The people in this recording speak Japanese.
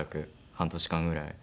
半年間ぐらい。